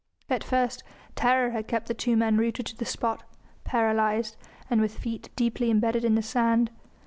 At first terror had kept the two men rooted to the spot, paralysed, and with feet deeply imbedded in the sand.